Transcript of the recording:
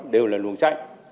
đều là luồng sạch